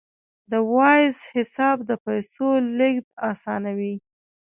د وایز حساب د پیسو لیږد اسانوي.